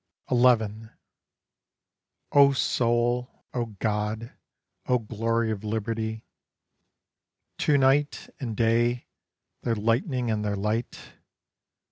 11 O soul, O God, O glory of liberty, To night and day their lightning and their light!